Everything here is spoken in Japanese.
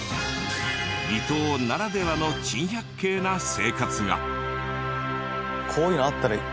離島ならではの珍百景な生活が。